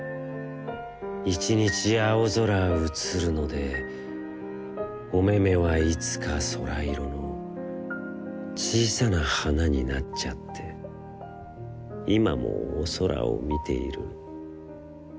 一日青ぞらうつるので、おめめはいつか、空いろの、小さな花になっちゃって、いまもお空をみているの。